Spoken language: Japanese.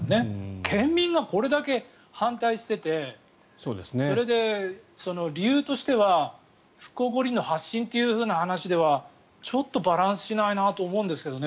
県民がこれだけ反対していてそれで理由としては復興五輪の発信という話ではちょっとバランスしないなと思うんですけどね。